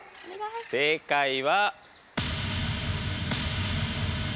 正解は。